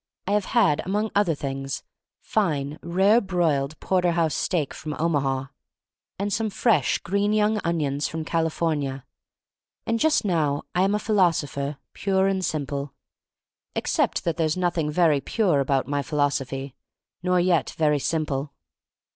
I have had, among other things, fine, rare broiled porterhouse steak from Omaha, and some fresh, green young onions from California. And just now I am a philosopher, pure and simple — except that there's noth ing very pure about my philosophy, nor yet very simple.